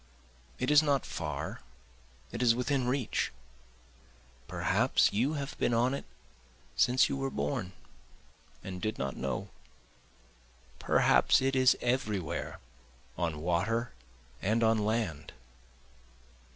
It is not far, it is within reach, Perhaps you have been on it since you were born and did not know, Perhaps it is everywhere on water and on land.